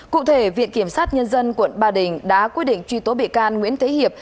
cụ thể viện kiểm sát nhân dân quận ba đình đã quyết định truy tố bị can nguyễn thế hiệp